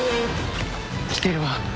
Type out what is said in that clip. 来てるわ。